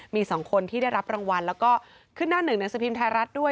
มีสองคนที่ได้รับรางวัลแล้วก็ขึ้นหน้าหนึ่งหนังสือพิมพ์ไทยรัฐด้วย